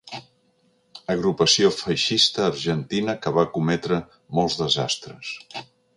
Agrupació feixista argentina que va cometre molts desastres.